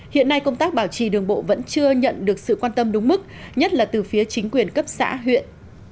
hiện nay công tác bảo trì đường bộ vẫn chưa nhận được sự quan tâm đúng mức nhất là từ phía chính quyền cấp xã huyện